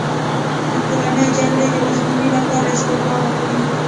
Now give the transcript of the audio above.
د کورنۍ جګړې د مخنیوي لپاره استعفا وکړي.